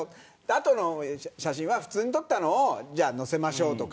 あとの写真は普通に撮ったのを載せましょうとか。